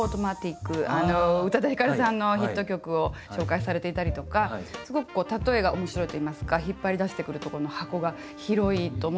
宇多田ヒカルさんのヒット曲を紹介されていたりとかすごくこう例えが面白いといいますか引っ張り出してくるところの箱が広いと思うんですけれども。